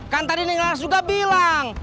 kan tadi neng aras juga bilang